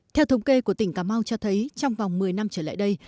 theo thống kê của tỉnh cà mau cho thấy trong vòng một mươi năm trở lại đây